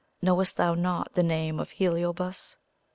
Knowest thou not the name of HELIOBAS?"